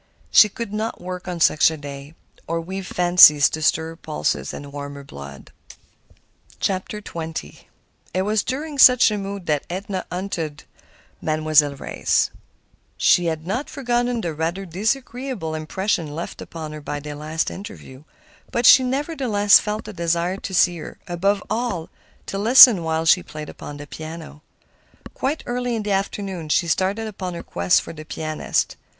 She could not work on such a day, nor weave fancies to stir her pulses and warm her blood. XX It was during such a mood that Edna hunted up Mademoiselle Reisz. She had not forgotten the rather disagreeable impression left upon her by their last interview; but she nevertheless felt a desire to see her—above all, to listen while she played upon the piano. Quite early in the afternoon she started upon her quest for the pianist.